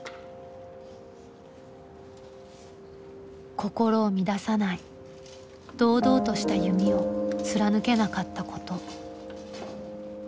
心を乱さない「堂々とした弓」を貫けなかったこと。